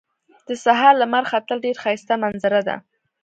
د سهار لمر ختل ډېر ښایسته منظره ده